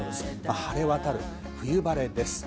晴れ渡る冬晴れです。